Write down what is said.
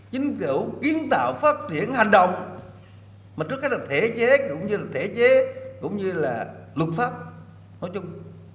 chính cửu kiến tạo phát triển hành động mà trước hết là thể chế cũng như là thể chế cũng như là luật pháp nói chung